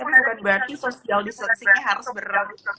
bukan berarti social distancingnya harus ber